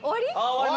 終わり？